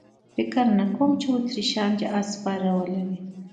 فکر نه کوم چې اتریشیان دې اس سپاره ولري.